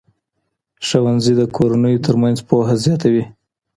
ښوونځي د کورنیو ترمنځ پوهه زیاتوي.